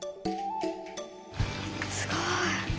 すごい！